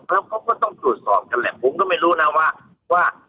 แล้วเขาก็ต้องตรวจสอบกันแหละผมก็ไม่รู้นะว่า